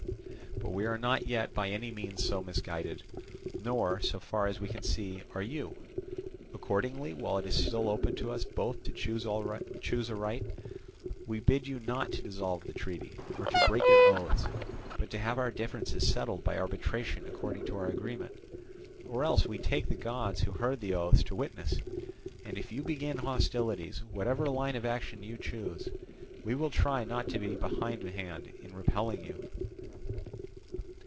But we are not yet by any means so misguided, nor, so far as we can see, are you; accordingly, while it is still open to us both to choose aright, we bid you not to dissolve the treaty, or to break your oaths, but to have our differences settled by arbitration according to our agreement. Or else we take the gods who heard the oaths to witness, and if you begin hostilities, whatever line of action you choose, we will try not to be behindhand in repelling you."